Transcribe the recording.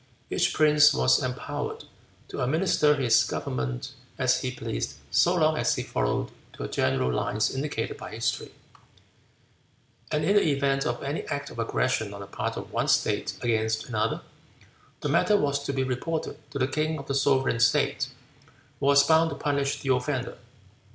Each prince was empowered to administer his government as he pleased so long as he followed the general lines indicated by history; and in the event of any act of aggression on the part of one state against another, the matter was to be reported to the king of the sovereign state, who was bound to punish the offender.